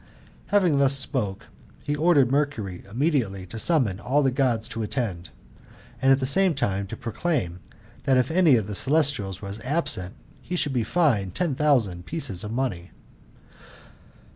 Having thus spoke, he ordered Mercury immediately to summon all the Gods to attend ; and at the same time to pro claim, that, if any one of the celestials was absent, he should be fined ten thousand pieces of money.